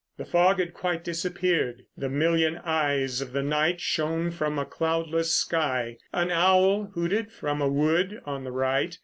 The fog had quite disappeared. The million eyes of the night shone from a cloudless sky. An owl hooted from a wood on the right.